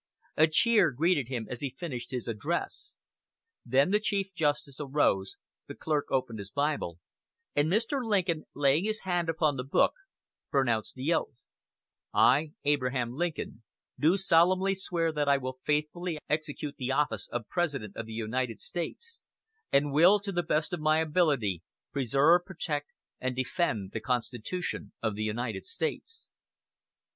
A cheer greeted him as he finished his address. Then the Chief Justice arose, the clerk opened his Bible, and Mr. Lincoln, laying his hand upon the book, pronounced the oath: "I, Abraham Lincoln, do solemnly swear that I will faithfully execute the office of President of the United States, and will, to the best of my ability, preserve, protect, and defend the Constitution of the United States."